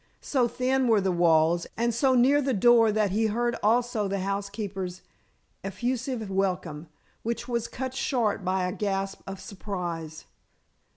So thin were the walls, and so near the door that he heard also the housekeeper's effusive welcome, which was cut short by a gasp of surprise.